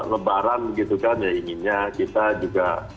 lebaran gitu kan ya inginnya kita juga